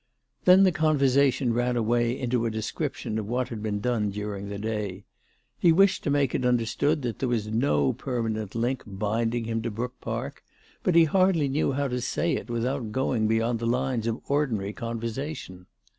Then the conversation ran away into a description of what had been done during the day. He wished to make it understood that there was no permanent link binding him to Brook Park, but he hardly knew how to say it without going beyond the lines of ordinary conversation.